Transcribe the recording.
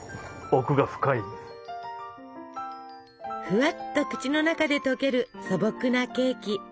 ふわっと口の中で溶ける素朴なケーキ。